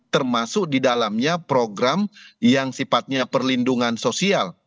termasuk di dalamnya program yang sifatnya perlindungan sosial